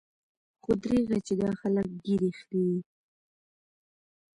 خو درېغه چې دا خلق ږيرې خريي.